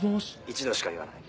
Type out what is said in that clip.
一度しか言わない。